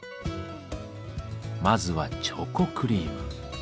まずはチョコクリーム。